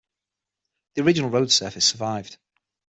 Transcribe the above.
The original road surface survived.